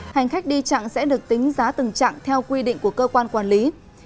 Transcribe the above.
hành khách đi chặng sẽ được tính giá từng trạng theo quy định của cơ quan quản lý